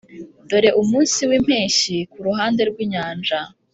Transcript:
dore umunsi wimpeshyi kuruhande rwinyanja